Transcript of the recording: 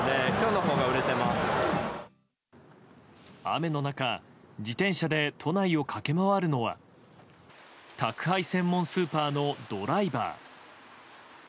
雨の中自転車で都内を駆け回るのは宅配専門スーパーのドライバー。